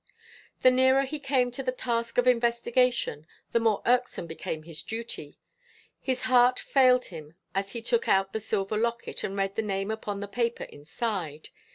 The nearer he came to the task of investigation, the more irksome became his duty. His heart failed him as he took out the silver locket, and read the name upon the paper inside.